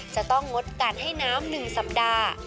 จะต้องงดการให้น้ำ๑สัปดาห์